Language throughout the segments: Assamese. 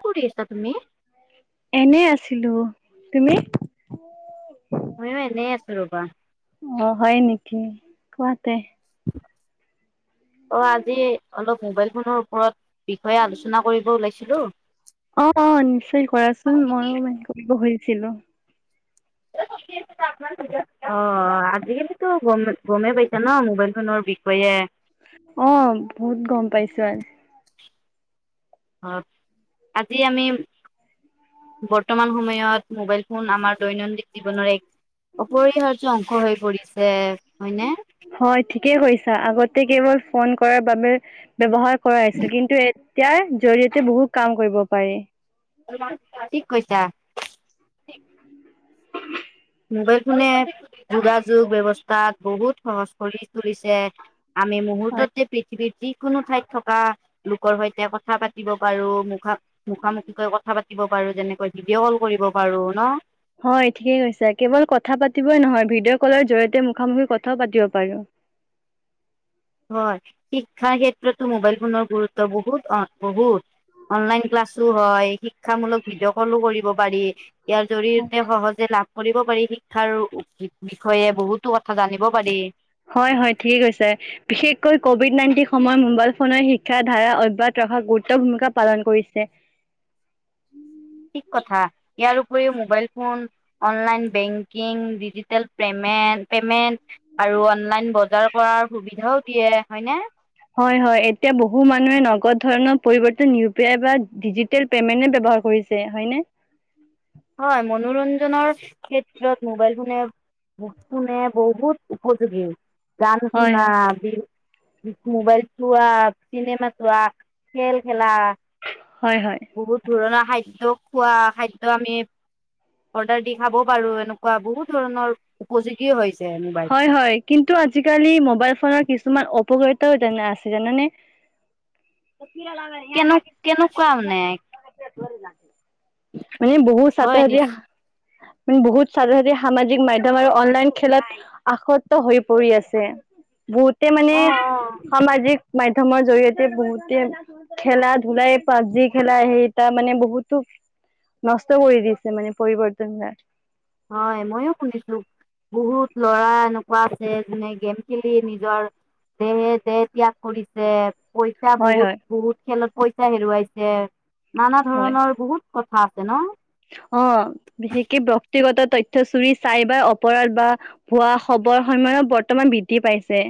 কি কৰি আছা তুমি? এনেই আছিলোঁ তুমি? ময়ো এনেই আছো ৰবা। অ হয় নেকি কোৱাতে অ আজি অলপ মোবাইল ফোনৰ ওপৰত বিষয়ে আলোচনা কৰিব ওলাইছিলো অ অ নিশ্চয় কৰাচোন ময়ো মানে কৰিব খোজি। ছিলো। অ আজিকালিটো গম গমেই পাইছা ন মোবাইল ফোনৰ বিষয়ে। অ বহুত গম পাইছোঁ অ আজি আমি বৰ্তমান সময়ত মোবাইল ফোন আমাৰ দৈনন্দিন জীৱনৰ এক অপৰিহাৰ্য অংশ হৈ পৰিছে হয়নে? হয় ঠিকেই কৈছা আগত কেৱল ফোন কৰাৰ বাবে ব্যৱহাৰ কৰাই আছিল কিন্তু এ তিয়াৰ জৰিয়তে বহুত কাম কৰিব পাৰি ঠিক কৈছা। [unintelligible] মোবাইল ফোনে যোগাযোগ ব্যৱস্থাত বহুত সহজ কৰি তুলিছে। আমি হয় মুহুৰ্ত্ততে প‌ৃথিবীৰ যি। কোনো ঠাইত থকা লোকৰ সৈতে কথা পাতিব পাৰো মুখা মুখামুখিকৈ কথা পাতিব পাৰো যেনেকৈ ভিডিঅ' কল কৰিব পাৰো ন হয় ঠিকেই কৈছো কেৱল কথা পাতিবই নহয় ভিডিঅ' কলৰ জৰিয়তে মুখামুখি কথাও পাতিব পাৰো হয়, শিক্ষাৰ ক্ষেত্ৰতো মোবাইল ফোনৰ গুৰুত্ব বহুত বহুত অনলাইন ক্লাছো হয়, শিক্ষামূলক ভিডিঅ' কলো কৰিব পাৰি। ইয়াৰ জৰিয়তে সহজে লাভ কৰিব পাৰি শিক্ষাৰ বিষয়ে বহুতো কথা জানিব পাৰি হয় হয় ঠিকেই কৈছে বিশেষকৈ কভিড নাইণ্টিন সময়ত মোবাইল ফোনেৰে শিক্ষাৰ ধাৰা অব্যাহত ৰখা গুৰুত্ব ভূমিকা পালন কৰিছে। ঠিক কথা ইয়াৰ উপৰিও mobile phone, online banking, digital payment payment আৰু অনলাইন বজাৰ কৰাৰ সুবিধাও দিয়ে হয়নে? হয় হয় এতিয়া বহু মানুহে নগদ ধৰণৰ পৰিৱৰ্তন ইউ পি আই বা ডিজিটেল পেমেন্টে বৱহাৰ কৰিছে হয়নে? হয় মনোৰঞ্জনৰ ক্ষেত্ৰত মোবাইল ফোনে ব ফোনে বহুত উপযোগী হয় যানতোনা বি মোবাইল চোৱা চিনেমা চোৱা খেল খেলা হয় হয় বহুত ধুৰণা। খাদ্য খোৱা খাদ্য আমি অৰ্ডাৰ দি খাব পাৰো এনেকুৱা বহুত ধৰণৰ উপযোগী হৈছে। মোবাইল। হয় হয় কিন্তু আজালি মবাইল ফোনত কিছুমান অপ উপকাৰিতাও আছে জানা নে কেনেক কেনেকুৱা মানে। কৰি নাকি। মানে বহুত সাত হয় নিশ্চ হজীয়া। বহুত চাজাদি সামাজিক মাধ্যম আৰু অনলাইন খেলত আসক্ত হৈ পৰি আছে। বহুত তে অ', মানে অ', সামাজিক মাধ্যমৰ জৰিয়তে বহুতে খেলা ধুলাই পাপজি খেলা সেইটা মানে বহুতো নষ্ট কৰি দিছে মানে পৰিৱৰ্তন য়াক হয় মইো শুনিছো বহুত লৰা এনেক কোৱাছে যেনে গেম খেলি নিজৰ দেহে দেহ ত্যাগ কৰিছে। পইচা হয় বহুত হয় বহুত খেলত পইচা হেৰুৱাইছে নানা হয়। ধৰণৰ বহুত কথা আছে ন অ বিশেষকে ব্যক্তিগত তথ্য চুৰি চাইবাৰ অপৰাধ বা ভোৱা খবৰ সময়ত বৰ্তমান বৃদ্ধি পাইছে।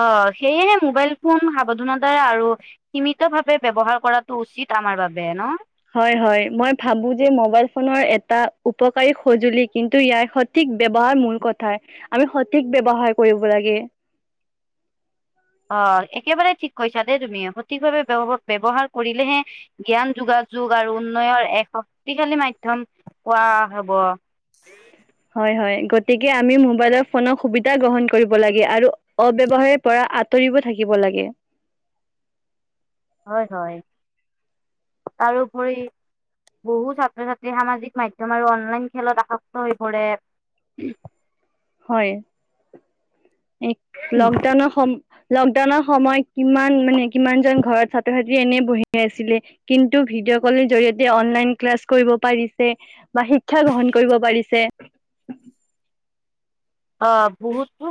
অ সেয়েহে মোবাইল ফোন সাৱধানতাৰে আৰু সীমিতভাৱে ব্যৱহাৰ কৰাটো উচিত আমাৰ বাবে ন হয় হয় মই ভাবো যে মোবাইল ফোনৰ এটা উপকাৰী সজুলি কিন্তু ইয়াৰ সঠিক বৱহাৰ মূল কথা। আমি সঠিক বৱহাৰ কৰিব লাগে। অ একেবাৰে ঠিক কৈছা দেই তুমি সঠিকভাৱে ব্যৱ ব্যৱহাৰ কৰিলেহে জ্ঞান যোগাযোগ আৰু উন্নয়ৰ এক শক্তিশালী মাধ্যম পোৱা হব। হয় হয় গতিকে আমি মোবাইলৰ ফোনক সুবিধা গ্ৰহণ কৰিব লাগে আৰু অব্যৱহাৰ পৰা আঁতৰিব থাকিব লাগে। হয় হয় তাৰোপৰি বহু ছাত্ৰ ছাত্ৰী সামাজিক মাধ্যম আৰু অনলাইন খেলত আসক্ত হৈ পৰে। হয় এক লকডাউনৰ সম লকডাউনৰ সময়ত কিমান মানে কিমান জন ঘৰত ছাত্ৰ ছাত্ৰী এনে বহি আছিলে কিন্তু ভিডিঅ' কলৰ জৰিয়তে অনলাইন ক্লাছ কৰিব পাৰিছে বা শিক্ষা গ্ৰহণ কৰিব পাৰিছে। অ বহুতো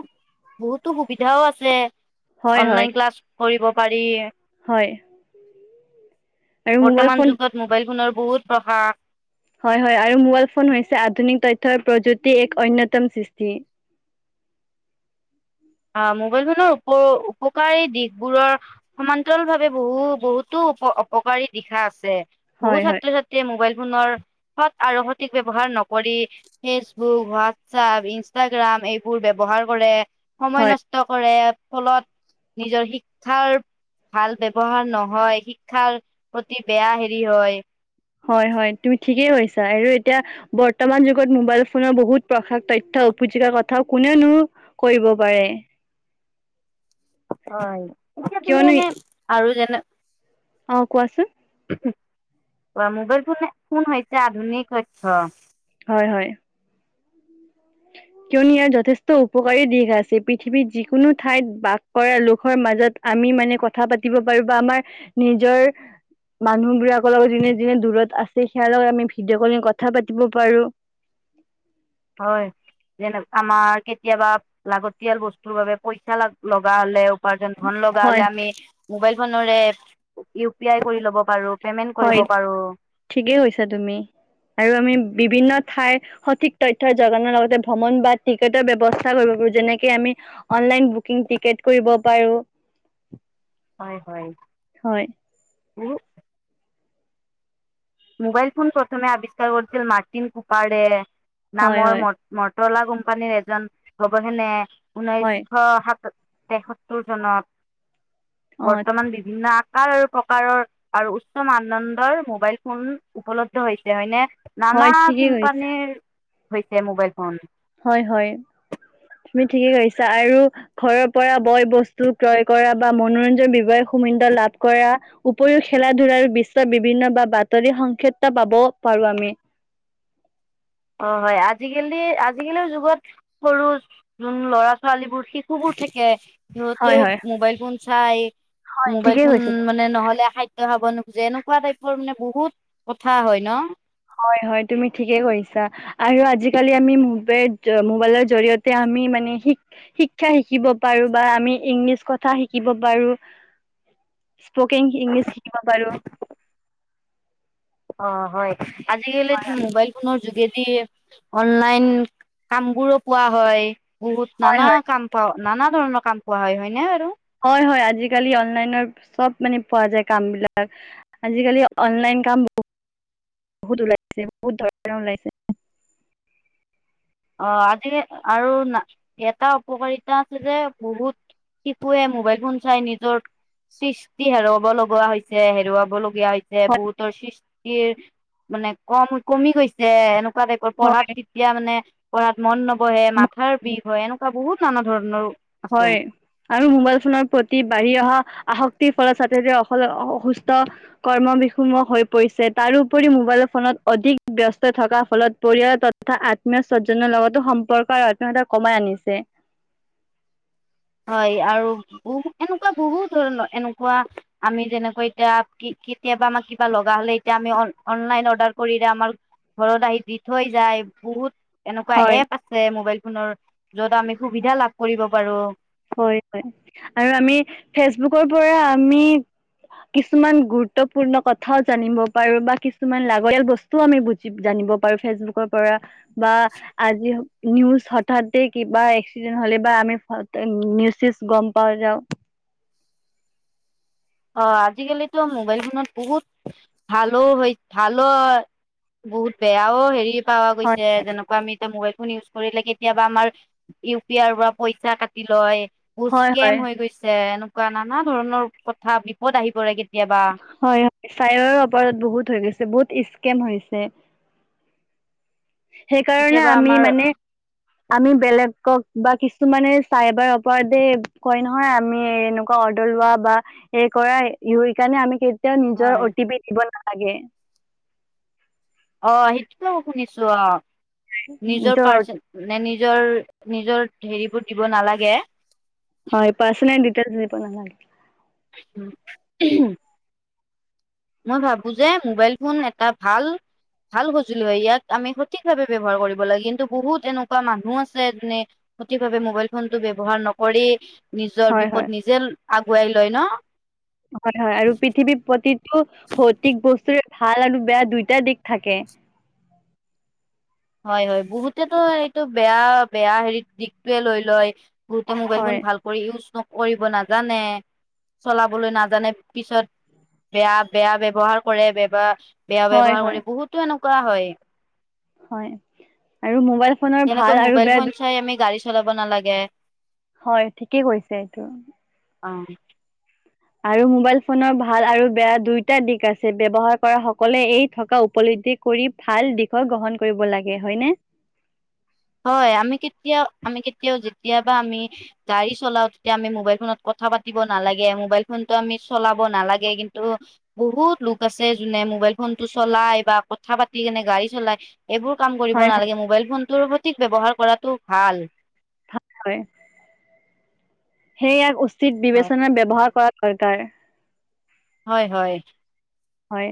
বহুতো সুবিধাও আছে। হয় হয় অনলাইন ক্লাছ কৰিব পাৰি হয় আৰু মোবাইল বৰ্তমান ফোন যুগত মোবাইল ফোনৰ বহুত প্ৰহাৰ হয় হয় আৰু মোবাইল ফোন হৈছে আধুনিক তথ্যৰ প্ৰযুক্তিৰ এক অন্যতম সৃষ্টি। অ মোবাইল ফোনৰ উপ উপকাৰী দিশবোৰৰ সমান্তৰাল ভাৱে বহু বহুতো অপকাৰী দিশা আছে। বহু হয় হয় ছাত্ৰ ছাত্ৰীয়ে মোবাইল। নৰ সৎ আৰু সঠিক ব্যৱহাৰ নকৰি ফেচবুক, হোৱাটছপ, ইনষ্টাগ্ৰাম এইবোৰ ব্যৱহাৰ কৰে। সময় হয় নষ্ট কৰে ফলত নিজৰ শিক্ষাৰ ভাল ব্যৱহাৰ নহয়, শিক্ষাৰ প্ৰতি বেয়া হেৰি হয়। হয় হয় তুমি ঠিকেই কৈছা আৰু এতিয়া বৰ্তমান যুগত মোবাইল ফোনৰ বহুত প্ৰসাশ তথ্য উপজিকাৰ কথাও কোনেনো কৰিব পাৰে হয় এতিয়া তুমি কিয়নো এনে আৰু [unintelligible] অ কোৱাচোন মোবাইল ফোনে, ফোন হৈছে আধুনিক তথ্য হয় হয় কিয়নো ইয়াৰ যথেষ্ট উপকাৰী দিশ আছে। পৃথিৱীত যিকোনো ঠাইত বাস কৰা লোকৰ মাজত আমি মানে কথা পাতিব পাৰো বা আমাৰ নিজৰ মানুহবোৰাকৰ লগত যোনে যোনে দূৰত আছে সেয়াৰ লগত আমি ভিডিঅ' কলিং কথা পাতিব পাৰো। হয় যেনে আমাৰ কেতিয়াবা লাগতিয়াল বস্তুৰ বাবে পইচা লগা হলে উপাৰ্জন ধন লগা হলে হয় আমি। মোবাইল ফোনৰে ইউ পি আই কৰি ল'ব পাৰো। পেমেন্ট কৰিব হয় পাৰো ঠিকেই কৈছা তুমি আৰু আমি বিভিন্ন ঠাইৰ সঠিক তথ্য যোগানৰ লগতে ভ্ৰমণ বা টিকেটৰ ব্যৱস্থা কৰিব পাৰো যেনেকে আমি অনলাইন বুকিং টিকেট কৰিব পাৰো। হয় হয় হয় [unintelligible] মোবাইল ফোন প্ৰথমে আৱিষ্কাৰ কৰিছিল মাৰ্টিন কুপাৰে হয় নামৰ হয় ম মত তলা কোম্পানীৰ এজন গৱেষকে ঊনৈশ হয় সাত তেসত্তৰ চনত অ বৰ্তমান বিভিন্ন প্ৰকাৰৰ আৰু উচ্চ মান নন্দৰ মোবাইল ফোন উপলব্ধ হৈছিলে হয়নে? নানা হয় ঠিকেই কৈছা কোম্পানীৰ হৈছে মোবাইল ফোন হয় হয় তুমি ঠিকেই কৈছা আৰু ঘৰৰ পৰা বয় বস্তু ক্ৰয় কৰা বা মনোৰঞ্জ বিৱয়ায় সুবিধা লাভ কৰা উপৰিও খেলা ধূলাৰ বিশ্বৰ বিভিন্ন বা বাতৰি সংক্ষেত পাব পাৰো আমি। অ হয় আজিকালি আজিকালিৰ যুগত সৰু যোন ল'ৰা ছোৱালীবোৰ শিশু বোৰ থাকে। সিহঁতেও হয় হয়। মোবাইল ফোন চাই মোবাইল ঠিকে ফোন কৈছা মানে নহলে খাদ্য খাব নু যে এনেকুৱা টাইপৰ মানে বহুত কথা হয় ন হয় হয় তুমি ঠিকে কৰিছা আৰু আজিকালি আমি মোবাইলৰ জৰিয়তে আমি মানে শিক্ষা শিকিব পাৰো বা আমি ইংলিছ কথা শিকিব পাৰো, স্পকিং ইংলিছ শিক পাৰো। অ হয় আজিিকালি ত মোবাইল ফোনৰ যোগেদি অনলাইন কাম বোৰো পোৱা হয়,। বহুত হয় নানা হয় কাম পাওঁ। নানা ধৰণৰ কাম পোৱা হয়। হয়নে বাৰু? হয় হয় আজিকালি অনলাইনৰ চব মানে পোৱা যায় কাম বিলাক। আজিকালি অনলাইন কাম ব বহুত ওলাইছে, বহুত ধৰণৰ ওলাইছে। অ আজি আৰু এটা উপকাৰিতা আছে যে বহুত শিশুৱে মোবাইল ফোন চাই নিজৰ সৃষ্টি হেৰুাব লগা হৈছে, হেৰুৱাব লগা গীয়া হৈছে। হয় বহুতৰ সৃষ্ট ষ্টি মানে কম কমি গৈছে, এনেকা সেনেকুৱা টাইপৰ হয় পঢ়াত তেতিয়া মানে পঢ়াত মন ন বহে, মাথাৰ ম- বিষ হয়, এনেকুৱা বহুত নানা ধৰণৰ আছে হয় আৰু মোবাইল ফোনৰ প্ৰতি বাঢ়ি অহা আসক্তিৰ ফলত ছাত্ৰ ছাত্ৰীৰ অ অসুস্থ কৰ্ম বিষৰ্ম হৈ পৰিছে, তাৰোপৰি মোবাইল ফোনত অধিক ব্যস্ত থকাৰ ফলত পৰিয়ালৰ তথা আত্মীয় স্বজ্জনৰ লগতো সম্পৰ্ক আৰু আত্মীয়তা কমাই আনিছে। হয় আৰু বহু এনেকুৱা বহুত ধৰণৰ এনেকুৱা আমি যেনেকৈ এতিয়া কেতিয়াবা আমাৰ কিবা লগা হলে এতিয়া আমি অনলাইন অৰ্ডাৰ কৰিলে আমাৰ ঘৰত আহি দি থৈ যায়, বহুত এনেকুৱা হয় এপ আছে মোবাইল ফোনত, যত আমি সুবিধা লাভ কৰিব পাৰোঁ। হয় হয়। আৰু আমি ফেচবুকৰ পৰা আমি কিছুমান গুৰুত্বপূৰ্ণ কথাও জানিব পাৰো বা কিছুমান লাগতিয়াল বস্তুও আমি বুজি জানিব পাৰো ফেচবুকৰ পৰা। বা আজি নিউজ হঠাতে কিবা এক্সিডেণ্ট হলে বা আমি নিউজ চিউছ গম পাই যাওঁ। অ আজিকালিটো মোবাইল ফোনত বহুত ভালো হয় ভালো হয়, বহুত বেয়াও হেৰি পাৱা হয় গৈছে, যেনেকুৱা আমি এতিয়া মোবাইল ফোন ইউজ কৰিলে কেতিয়াবা আমাৰ ইউ পি আইৰ পৰা পইচা কাটি লয়। বহুত হয় চ্কেম হয় হৈ গৈছে। এনে বা নানা ধৰণৰ কথা বিপদ আহি পৰে কে হয় হয়। ছাইবাৰ অপৰাধ বহুত হৈ গৈছে। বহুত স্ কেম হৈছে। সেইকাৰণে কেতিয়াবা আমি আমাৰ মানে আমি বেলেগক বা কিছুমানে চাইবাৰ অপৰাধে কয় নহয় আমি এনেকুৱা অৰ্ডৰ লোৱা বা হেৰি কৰা, সেইকাৰণে আমি কে তিয়াও নিজৰ হয় অ' টি পি দিব নালা নালাগে। অ সেইটোতো শুনিছোঁ অ। নিজৰ পাৰ্চন, মানে নিজৰ, নিজৰ হেৰিবোৰ দিব নালাগে। হয় পাৰ্চনেল ডিটেইলছ দিব নালাগে? উম মই ভাবো যে মোবাইল ফোন এটা ভাল ভাল সঁজুলি হয় ইয়াক আমি সঠিকভাৱে ব্যৱহাৰ কৰিব লাগে কিন্তু বহুত এনেকুৱা মানুহ আছে যোনে সঠিকভাৱে মোবাইল ফোনটো ব্যবহাৰ নকৰি। নিজৰ হয় বিপদ হয় নিজে। আগুৱাই লয় ন। হয় হয় আৰু পৃথিৱীৰ প্ৰতি। ভৌতিক বস্তুৰে। ভাল আৰু বেয়া দুইটাৰ দিশ থাকে। হয় হয় বহুতেতো এইটো বেয়া বেয়া হেৰিত দিশটোৱে লৈ লয়। গোট মোবাইলখন হয় ভালক ইউজ। কৰিব নাজানে চলাবলৈ নাজানে পিছত বেয়া বেয়া ব্যবহাৰ কৰে বেব। বেয়া হয় ব্যৱহাৰ হয় কৰি বহুতো নো কোৱা হয়। হয় আৰু মবাইল এনেকৈ মোবাইল ফোন চাই আমি গাড়ি চলাব নালাগে। হয় ঠিকেই কৈছে এইটো অ আৰু মোবাইল ফোনৰ ভাল আৰু বেয়া দুটা দিশ আছে ব্যৱহাৰ কৰা সকলে এই থকা উপলব্ধি কৰি ভাল দিশৰ গ্ৰহণ কৰিব লাগে হয়নে? হয় আমি কেতিয়াও আমি কেতিয়াও যেতিয়াবা আমি গাড়ী চলাও তেতিয়া আমি মোবাইল ফোনত কথা পাতিব নালাগে। মোবাইল ফোনতটো আমি চলাব নালাগে। কিন্তু বহুত লোক আছে যোনে মোবাইল ফোন টো চলাই বা কথা পাতি কেনে গাড়ী চলাই এইবোৰ কাম কৰিব হয় হয় নালাগে। মোবাইল ফোনটোৰ ব্যৱহাৰ কৰাটো ভাল। থাক কৰে সে ইয়াৰ বিবেচনা ব্যৱহাৰ কৰা। কৰতাৰ হয় হয় হয়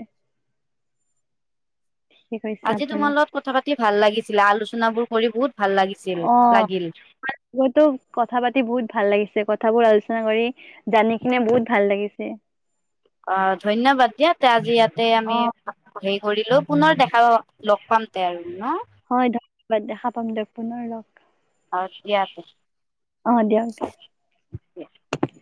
ঠিকে কৈছে আজি আপুনি তোমাৰ লগত কথা পা ভাল লাগিছিলে আলোচনা বোৰ কৰি বহুত ভাল লাগিছিল অ লাগিল তুমাৰ লগতো কথা পাতি বহুত ভাল লাগিছে কথাবোৰ আলোচনা কৰি জানি কিনে বহুত ভাল লাগিছে। অ ধন্যবাদ দিয়া আজি ইয়াতে অ আমি ধৰিলেও পুনৰ দেখা লগ পাম তে আৰু ন হয় ধন্যবাদ দেখা পাম দেক পুনৰ লগ আৰু থিকে আছে্। অ দিয়ক দে অ [unintelligible]